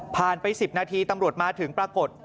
ไป๑๐นาทีตำรวจมาถึงปรากฏ